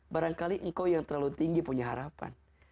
barangkali engkau yang terlalu tinggi punya harapan